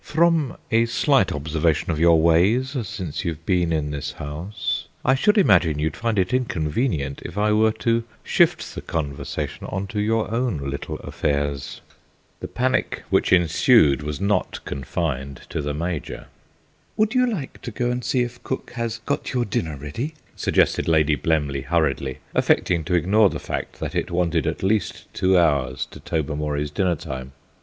"From a slight observation of your ways since you've been in this house I should imagine you'd find it inconvenient if I were to shift the conversation on to your own little affairs." The panic which ensued was not confined to the Major. "Would you like to go and see if cook has got your dinner ready?" suggested Lady Blemley hurriedly, affecting to ignore the fact that it wanted at least two hours to Tobermory's dinner time.